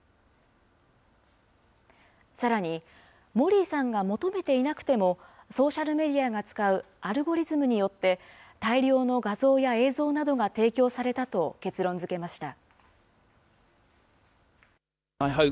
さらに、モリーさんが求めていなくても、ソーシャルメディアが使うアルゴリズムによって、大量の画像や映像などが提供されたと、結論づけました。